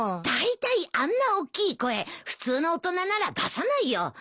だいたいあんなおっきい声普通の大人なら出さないよ。